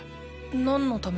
何のために？